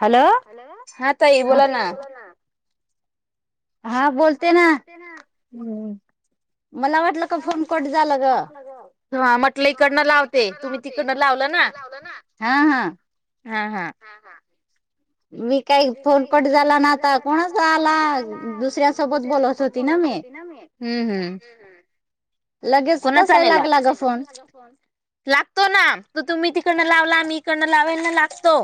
Hello हा ताई बोलाना हा बोलते ना हू हा म्हटलं इकडनं लावते तुम्ही तिकडनं लावलं ना हा हा हा हा मी काही फोनकट झाला ना आता कोणाच आला दुसऱ्यांसोबत बोलत होती ना मी हम्म हम्म कोणा चालेला आलेला लागतो ना त तुम्ही तिकडेन लावला मी इकडून लावायला लागतो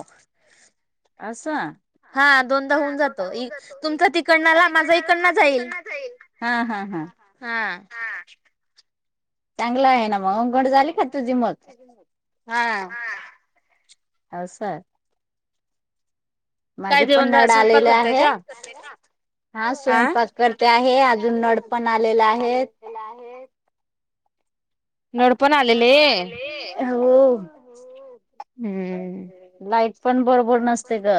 अससाा हा दोनदा होन जातो तुमचाच तिकडन इकडं न जाईल हा चांगलं आहे ना अवघड झाली का तुझी मग हौऊस काय देवन स्वयंपाक करताय का [unintelligible] [unintelligible] नोडपण आलेली लाईट पण बरोबर नसते ग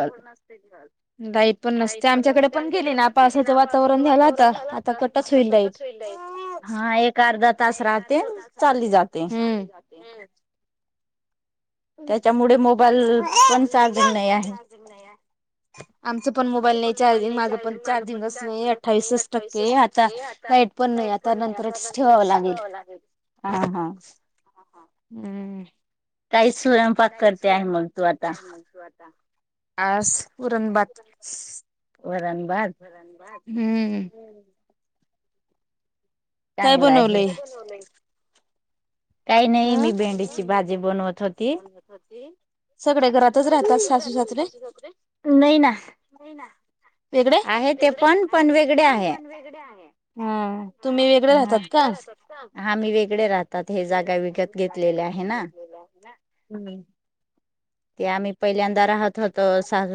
लाईट पण नसते आमच्याकडे पण गेली ना पावसाचे वातावरण झालं आता आता कटच होईल लााईट हा एक अर्धा तास राहते चाली जाते [unintelligible] [unintelligible] आमचं पण मोबाईल नाही चार्जिंग माझं पण चार्जिंगच नाही अठ्ठावीसच टक्के आता लाईट पण नाही आता नंतरच ठेवावं लागेल हा हा हम्म काही स्वयंपाक करते आहे मग तू आता आस पुरण भात हू चांगलं आहे काय बनवलंय काही नाही मी भेंडीची भाजी बनवत होती सगळे घरातच राहतात सासू सासरे होईना वेगळे ते पण पण वेग तुम्ही वेगळे राहात का आम्ही वेगळे राहतात हे जागा दुसरा काही विकत घेतलेला ना आम्ही पहिल्यांदा राहत होत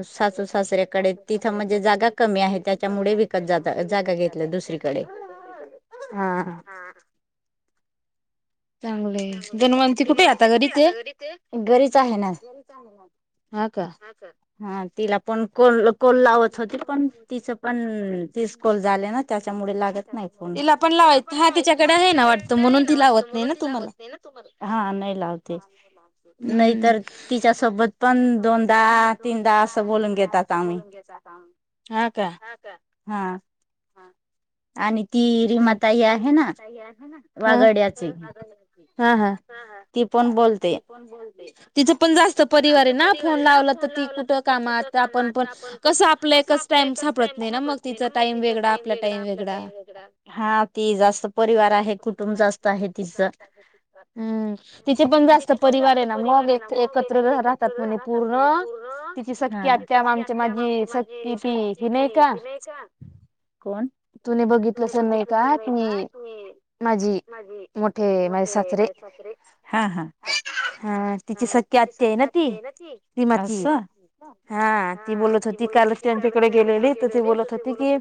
सासू सासऱ्याकडे तिथं म्हणजे जागा कमी आहे त्यांच्यामुळे विकत जाते विकत जाते हा चांगले धन्वंतरी कुठे आहे घरीच आहे ना हा तिला पण कॉल लावत होती पण तिचं पण तीस कॉल झाले ना त्याच्यामुळे लागत नाही फोन तिला पण लावायचं हा तिच्याकडे आहे ना वाटतं म्हणून ती लावत नाही ना तुम्हाला हा नाही लावते नाही तर तिच्या सोबत पण दोनदा तीनदा असं बोलून घेतात बोलून घ्यायच आ हा का हा आणि ती रिमाताई आहे ना वागड्याचे [unintelligible] ती पण बोलते, तिच पण जास्त परिवार आहे ना फोन लावला तर ती कुठ [unintelligible] म आता आपण पण कसं आपलं एकच टाइम सापडत नाही ना मग तिचा टाईम वेगळा आपला टाईम वेगळा. हा ती जास्त परिवार आहे कुटुंब जास्त आहे तिचा. हम्म तिचे पण जास्त परिवार आहे ना मग एक एकत्र राहतात म्हणे पूर्ण तिची सख्खी आत्या म आमची माझी सख्खी ती हि नाही का? तुने बघितलं असल नाही का ती माझी, मोठे माझे सासरे हा हा. हा तिची सख्खी आत्या आहे ना ती असं. हा ती बोलत होती काल त्यांच्याकडे गेलेली तर ती बोलत होती की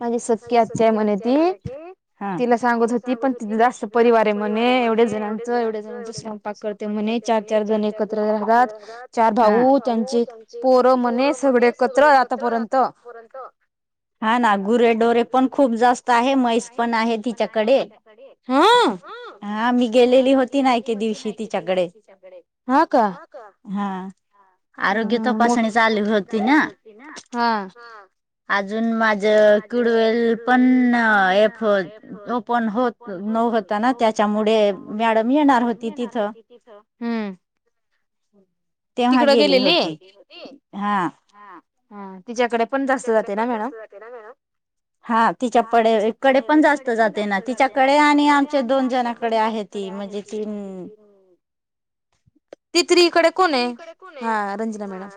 माझी सख्खी आत्या आहे म्हणे ती, तिला सांगत होती पण तिचं जास्त परिवार आहे म्हणे. एवढ्या जणांचं एवढ्या जणांचं स्वयंपाक करते म्हणे चार चार जण एकत्र राहतात चार भाऊ भाऊ त्यांचे पोरं म्हणे सगळे एकत्र राहतात आतापर्यंत, हा ना गुरे ढोरे पण खूप जास्त आहे म्हैस पण आहे तिच्याकडे. हा मी गेलेली होती ना एके दिवशी तिच्याकडे, हा का? हां. आरोग्य तपासणी चालू होती ना हा अजून माझ झ कुडवेल पण अह फोन ओपन होत न होता ना झाला त्याच्यामुळे मॅडम येणार होती तिथं हम्म. तेव्हा गेली होती, हां. हा तिच्याकडे तिच्याकडे पण जास्त जाते ना मॅडम. [inaudible] हा तिच्यापडे कडे पण जास्त जाते ना तिच्याकडे आणि आमच्या दोन जणाकडे आहे ती म्हणजे ती तितरी कडे कोण आहे? हां रंजना मॅडम,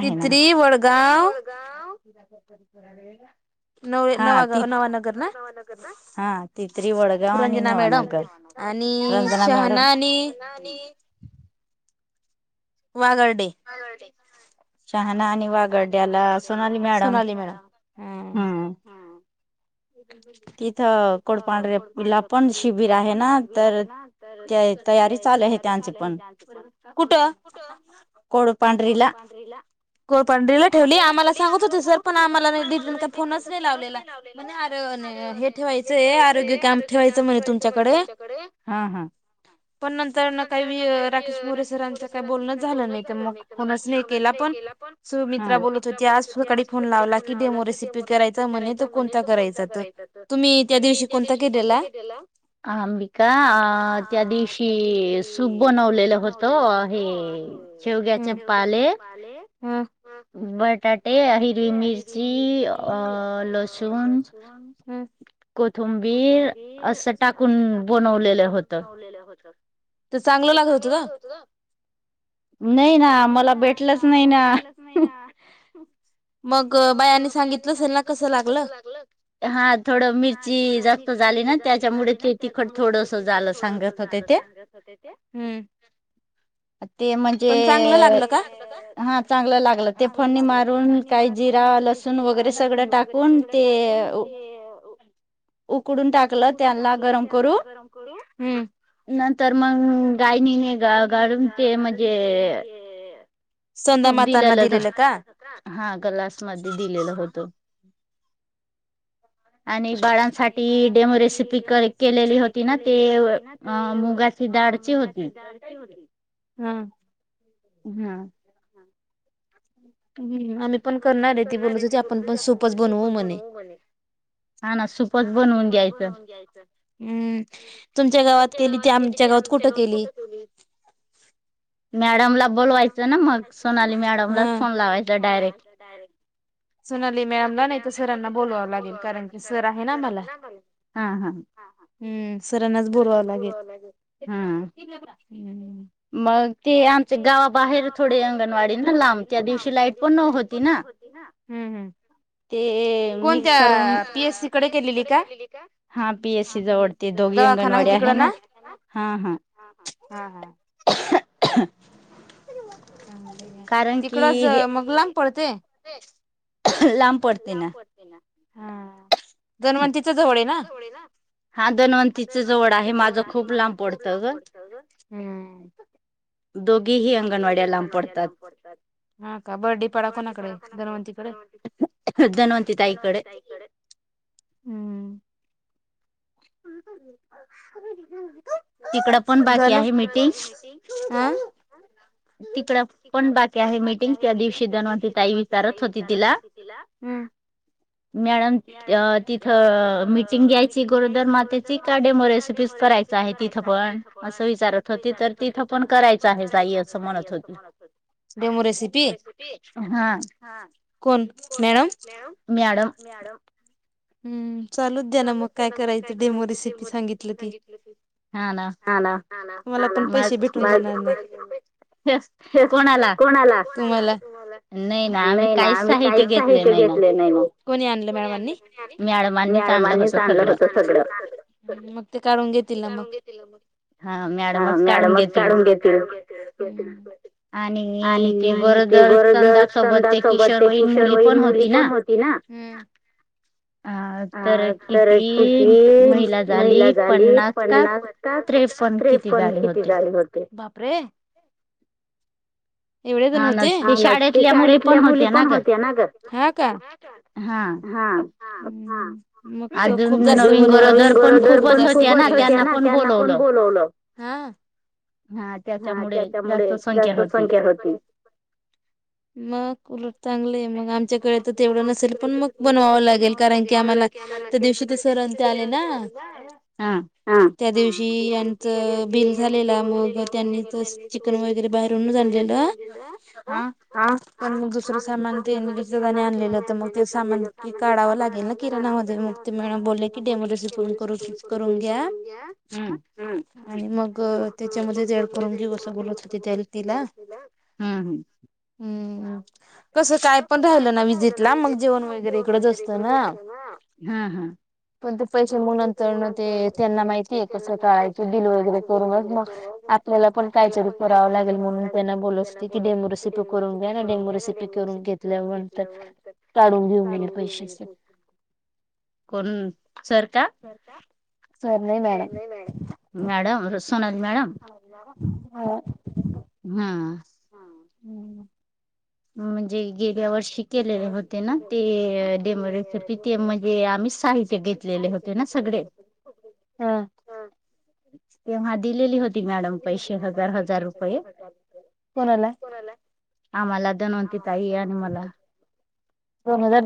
तीतरी वडगांव [unintelligible] [unintelligible] नवी नवा नवानगर ना हा तीतरी वडगाव आणि नवानगर, रंजना मॅडम. आणि [unintelligible] [inaudible] राहाला आणि [inaudible] सोनाली मॅडम हा हा. [inaudible] एप्रिल ला पण शिबिर आहे ना तर ते तयारी चालू आहे त्यांची पण, कुठं? कोडपांड्रीला कोडपांड्रीला ठेवली आम्हाला सांगत होते सर पण आम्हाला रिटन का फोनच नाही लावलेला म्हणे अर आर हे ठेवायचंय आरोग्य कॅम्प ठेवायच म्हणज तुमच्याकडे, हा हां. पण नंतर काही राकेश मोरेसरांच काही बोलणच झालं नाही तर मग फोनच नाही केला पण सुमित्रा बोलत होती आज सकाळी फोन लावला की डेमो रेसिपी करायचा म्हणे त कोणता करायचा? करायचा तर, तुम्ही त्या दिवशी कोणता केलेला? आम्ही का त्या दिवशी की सुप बनवलेलं होतं हे शेवग्याचे पाले बटाटे हिरवी मिर्ची अ लसुन हम्म कोथुंबीर असं टाकून बनवलेलं होतं. ते चांगलं लागत होत, नाही ना मला भेटलंच नाही ना. नाही ना मग बायाने सांगितलं असेल कस लागलं,, हा थोड मिरची जास्त. ली ना त्याच्यामुळे ते तिखट थोडस झालं सांगत होते ते.. ते म्हणजे हा,, ांगलं लागलं ते फणी मारून.. मारून चाय जिरा लसूण वगैरे सगळ टाकून तेऽऽ उकडून टाकलं त्याल्ला गरम करू,, हमम नंतर मग गायनीने ग गालून ते म्हणजेऽऽ संदा मात दिलेल हा गलासमध्ये दिलेलं होत. आणि बाळांसाठी डेमोरेसिपी केलेली होती ना ते अ मुगा. ह मुगाची द होली हम.. हा,, हम्म,, आम्ही पण करणार आहे ती बोलत होती, आपण पण सूपच बनवू म्हणे. हा ना सूकच बनवून घ्यायचं् तुमच्या गावात केली ते आमच्या गावात कुठं केली. मॅडमला बोलवायचं ना मग,, सोनाली मॅडमलाच फोन लावायचा डायरेक्ट. [inaudible] सुनाली मॅडमला नाही तर सरांना बोलावावं लागेल कारण की सर आहे ना मला.. हम्म सरांनाच बोलवावं लागेल ह्.. मग ते आमच्या गावाऽऽ ते गाव बाहेर थोडी अंगणवाडी ना लांब, त्या दिवशी लाईट पण नव्हती ना. ते मी सर् पी, एस, सी कडे गेलेली का, हा पीएससी जवळ दन, दवाखना हेती कड ना हा हा. ह,, चांगल, तिकडच मग लांब पडते. लाम. लामपतना.. गणवंतीचं जवळ आहे ना.. आ दनवंतीीच जवळ आहे माझ खूप लांब पडत ग दोघीही अंगणवाड्या लांब पडतात. बर्डे परा कोणाकडे जनवती... वद्धनवंती ताईकडे. हम्म,, झालं हं,, तिकड पण बाकी आहे मिीटिंग त्या दिवशी दनवंती ताई विचारत होती तिला.. [inaudible] मॅडम अंऽऽ, ितथ मिटिंग घ्यायची गोरदर मातेची का डेमो रेसिपी. करायच आहे तिथं पण अस विचारत होती, तर तिथ पण करायचं आहे. सहाय्यऽऽ अस,, ेमो रेसिपी ह,, कोण. मॅडम,, म्म चालूच द्या ना मग काय करायचं डेमो रेसिपी सांगितलं की, हा ना. तुमला पण पैसे भेटून जाणार नाही,, कोणाला, तुम्हाला नाही ना. आम्ही काहीच साहित्य घेतलेल नाही, कोणी आणले मॅडमनी. मी मॅडमानीच आनलं होत सगळ, म ते काढून घेत तीला मग. हा मॅडमच काढून घेतील. आणि ऽऽते, गरोदर संदा सोबत ते कीसऽऽ किशोर वाईन मुली पण होती ना.. हा तर किती महिला झाली. पन्नास तास. पणं पण किती झाले होते,,,, बापरे. एवढे जण होते,,, हां ना,, ते शाळेतल्या मुली पण होत्या.. होत्या ना ग. हा. का. मग खूप जास्त, नवीन गरोदर पण खूपच होत्या ना. त्यांना पण बोलवलं. हा त्याच्यामुळे जास्त संख्या होती. मग, उलट चांगले आहे मग. आमच्याकडे तर तेवढं नसेल पण मग बनवावं लागेल कारण की, आम्हाला त्या दिवशी ते सरं ते आलेते ना. हा. हा त्या दिवशी यांचं बिल झालेलं मग त्यांनी चिकन वगैरे बाहेरूनच आण आणलेलं हा. मग दुसर सामान ते आणलेलं होत मग. ते सामान की काढावं लागेल ना. किराणामधून मग ते मला बोलले की डेमोरेसी करून घ्या. हम्म आणि मग त्याच्यामध्येच ॲड करून घेऊ अस. बोलत होते तरी तिला, हम्म... कस कायपण. काय पण राहिलं ना मी देते. मग जेवण वगैरे इकडे भेटते ना हा. हा. पण ते पैसे मग नंतर ते. त्यांना माहितीय कसं करायचं ते डील वगैरे करून मग. आपल्याला पण काहीतरी करावं लागेल. म्हणून त्यांना बोलत होते की, डेमो रेसिपी करून घ्या. ना डेमो रेसिपी. करून घेतल्यानंतर. काढून घेऊ म्हण पैसे सगळ. कोण सर का? सर नाही मॅडम. Madam Sonali madam. हो. हा. हा हम्म. म्हणजे गेल्या-वर्षी. केलेले होते ना. ते डेमो रेसपी. ते म्हणजे आम्ही साहित्य घेतलेले होते ना? हा. तेव्हा दिलेली होती मॅडम पैसे हजार-हजार रुपये. कोणाला? आम्हाला. धन्वंती ताई आणि मला.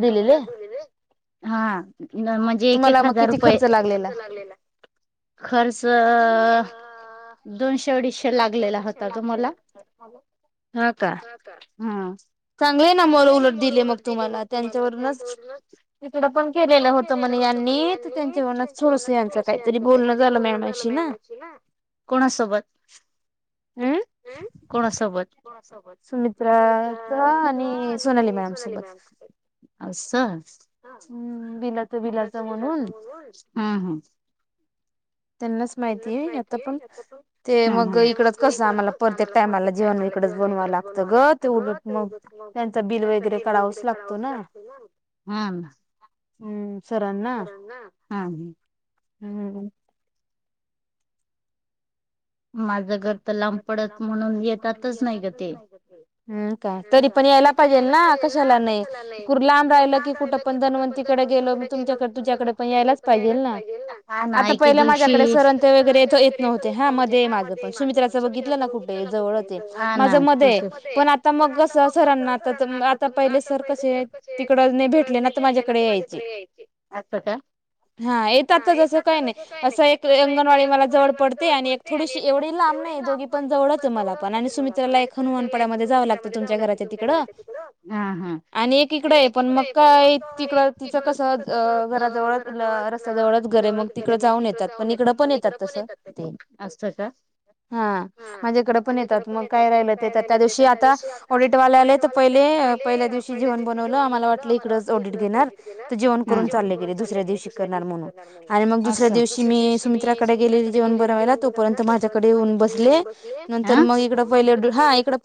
दोघांनाच दिलेली. हा म्हणजे एक-एक हजार रुपये. किती खर्च लागलेला? खर्च दोनशे-अडीचशे लागलेला होता. तुम्हाला? हॅलो,. हा का.. चांगले ना मग उलट दिले मग तुम्हाला त्यांच्यावरूनच. तिकडं पण केलेलं होतं म्हणे यांनी. तर त्यांच्या वना सोडस यांच काहीतरी बोलणं झालं नाही माझ्याशी. बोलायची ना. कोणासोबत? हम्म. कोणासोबत? सुमित्रा आणि सोनाली मॅम सोबत. पाच. हम्म बिनत. लक्ष तुझ्याकडं म्हणून हा. हा. त्यांनाच माहितीय, आता पण ते मग इकडच कसं आम्हाला प्रत्येक टायमाला जेवण इकडच भेटत. इकडच बनवा लागत ग ते उगाच मग त्यांच बिल वगैरे करावंच लागतं ना. हा हा. हम्म सरांना हम्म माझं माझं घर तर लांब पडत म्हणून येतातच नाही ग ते हम्म का तरी पण यायला पाहिजेल ना? कशाला नाही कुर लांब राहिलं की कुठं पण धनवंतीकडे गेलो मग तुमच्याकडे तुझ्याकडे पण यायलाच पाहिजेल ना आता पहिले माझ्याकडे सर आणि ते वगैरे येत नव्हते हा मध्ये माझ सुमित्राचं बघितलं ना कुठे जवळच आहे. माझं मध्ये आहे. पण आता मग कस सरांना आता आता पहिले सर कसे तिकड भेटले नाही ना तर माझ्याकडे यायचे. हा येतात. तसं काही नाही असं एक अंगणवाडी मला जवळ पडते आणि एक थोडीशी एवढी लांब नाही दोघी पण जवळच आहे मला पण आणि सुमित्राला एक हनुमानपड्यामध्ये जावं लागतं तुमच्या घराच्या तिकडं कड पण मड ळ तु र्या ओळखरे मग तिकड जाऊन येतात पण इकडे पण येतात ते खपत का हा म्हणझेकडे पण येतात मग काय राहिलं तेेतात त्या दिवशी आता ऑडिटवाल्या आले तर पहिले पहिल्या दिवशी जेवण बनवला आम्हाला वाटलं इकडेच जेवण करून गेले दुसऱ्या दिवशी आणि मी दुसऱ्या दिवशी सुमित्रा कडे गेले जेवन बवायला तोपर्य माझ्याकडे येऊन बसंतर मग इ